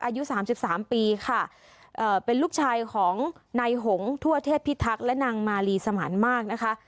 อายุสามสิบสามปีค่ะเป็นลูกชายของนายหงทั่วเทพิทักษ์และนางมาลีสมานมากนะคะ